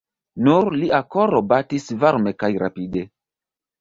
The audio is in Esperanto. Nur lia koro batis varme kaj rapide.